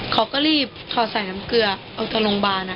เขาก็รีบถอดใส่น้ำเกลือออกจากโรงพยาบาล